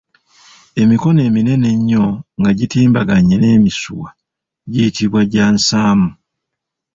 Emikono eminene ennyo nga gitimbaganye n’emisiwa giyitibwa gya Nsaamu.